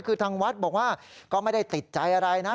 คือทางวัดบอกว่าก็ไม่ได้ติดใจอะไรนะ